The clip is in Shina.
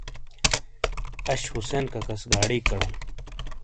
آش حُسین ککا سے گاڈیک اڈوں۔